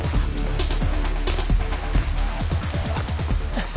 あっ。